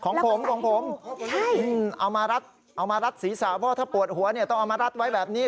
ของผมเอามารัดสีสาวเพราะว่าถ้าปวดหัวต้องเอามารัดไว้แบบนี้